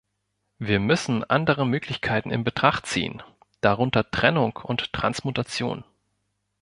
Wir müssen andere Möglichkeiten in Betracht ziehen, darunter Trennung und Transmutation.